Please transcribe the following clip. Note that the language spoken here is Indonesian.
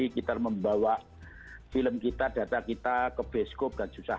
kita membawa film kita data kita ke bioskop